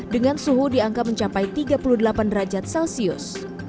dengan suhu di angka mencapai tiga puluh delapan derajat celcius